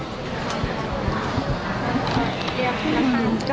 เรียกให้นะครับ